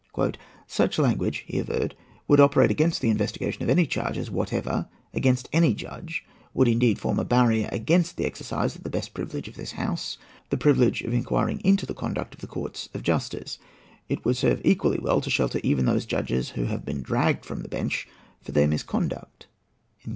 "Such language," he averred, "would operate against the investigation of any charges whatever against any judge; would indeed form a barrier against the exercise of the best privilege of this House—the privilege of inquiring into the conduct of courts of justice. It would serve equally well to shelter even those judges who have been dragged from the bench for their misconduct."